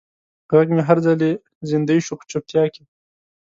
غږ مې هر ځلې زندۍ شو په چوپتیا کې